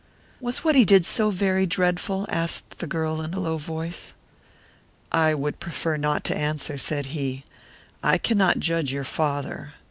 "Was what he did so very dreadful?" asked the girl, in a low voice. "I would prefer not to answer," said he. "I cannot judge your father.